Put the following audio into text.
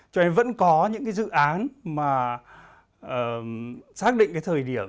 cho nên vẫn có những dự án mà xác định thời điểm